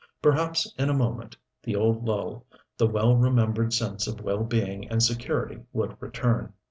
Perhaps in a moment the old lull, the well remembered sense of well being and security would return.